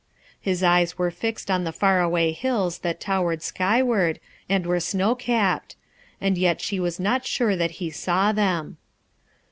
His eyes were feed on the far away hills that towered skyward, and were snow capped; and yet she was not sure that he saw them.